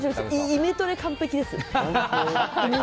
イメトレ完璧です。